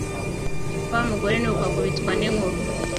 Wa mugore nuko akubitwa n'inkuba